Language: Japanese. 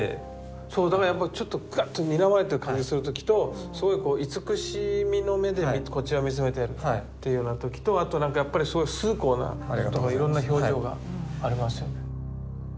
そうだからやっぱちょっとグッとにらまれてる感じする時とすごいこう慈しみの目でこちら見つめてるっていうような時とあとなんかやっぱりすごい崇高ないろんな表情がありますよね。